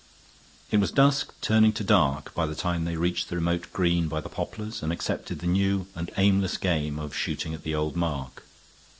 It was dusk turning to dark by the time they reached the remote green by the poplars and accepted the new and aimless game of shooting at the old mark.